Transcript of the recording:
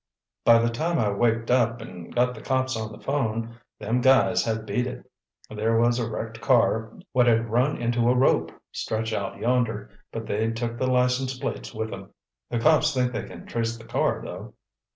By the time I waked up and got the cops on the phone, them guys had beat it. There was a wrecked car what had run into a rope, stretched out yonder, but they'd took the license plates with 'em. The cops think they can trace the car, though."